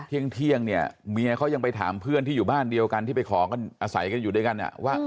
เที่ยงเนี่ยเมียเขายังไปถามเพื่อนที่อยู่บ้านเดียวกันที่ไปขอกันอาศัยกันอยู่ด้วยกันว่า